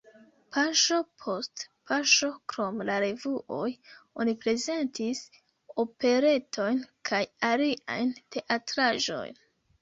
Paŝo post paŝo krom la revuoj oni prezentis operetojn kaj aliajn teatraĵojn.